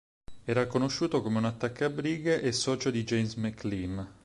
Era conosciuto come un attaccabrighe e socio di James McLean.